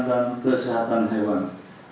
dan kesehatan hewan